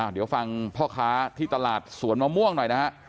เดี๋ยวฟังพ่อค้าที่ตลาดสวนมะม่วงหน่อยนะฮะ